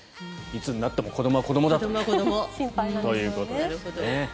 いつになっても子どもは子どもだということですね。